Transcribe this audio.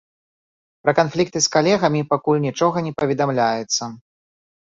Пра канфлікты з калегамі пакуль нічога не паведамляецца.